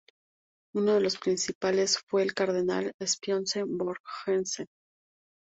Uno de los principales fue el cardenal Scipione Borghese.